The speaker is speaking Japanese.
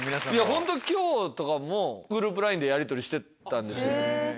本当今日とかもグループＬＩＮＥでやりとりしてたんですよ。